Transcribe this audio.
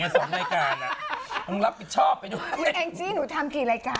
ไม่หมดไงไม่หมดรับว่าหนูเธอ